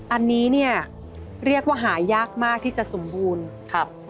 อันนี้เนี่ยเรียกว่าหายากมากที่จะสมบูรณ์ครับ